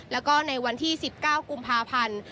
แล้วก็ในวันที่๑๙กุมภาพันธ์